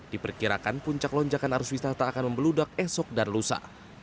diperkirakan puncak lonjakan arus wisata akan membeludak esok dan lusa